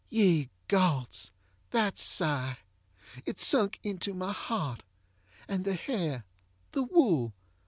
Ye GodsŌĆöthat sigh! It sunk into my heart. And the hairŌĆöthe wool!